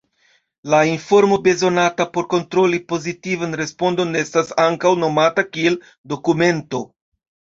La informo bezonata por kontroli pozitivan respondon estas ankaŭ nomata kiel "dokumento".